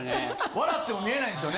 笑っても見えないんですよね。